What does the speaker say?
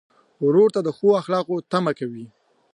ورور ته د ښو اخلاقو تمه کوې.